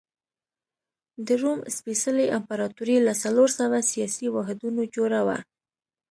د روم سپېڅلې امپراتوري له څلور سوه سیاسي واحدونو جوړه وه.